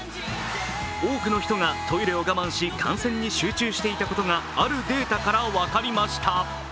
多くの人がトイレを我慢し、観戦に集中していたことがあるデータから分かりました。